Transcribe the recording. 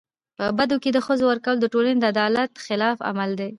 په بدو کي د ښځو ورکول د ټولني د عدالت خلاف عمل دی.